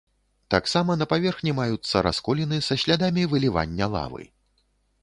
Таксама на паверхні маюцца расколіны, са слядамі вылівання лавы.